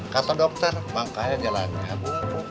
kata dokter bangkanya jalannya bu